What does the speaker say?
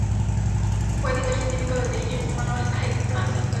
Fue editor científico de "The Jepson Manual: Higher Plants of California".